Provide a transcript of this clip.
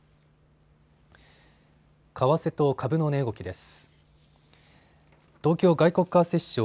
為替と株の値動きです。